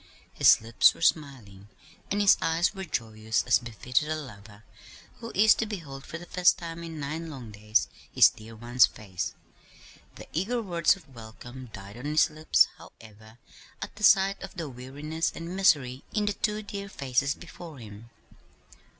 His lips were smiling, and his eyes were joyous as befitted a lover who is to behold for the first time in nine long days his dear one's face. The eager words of welcome died on his lips, however, at sight of the weariness and misery in the two dear faces before him.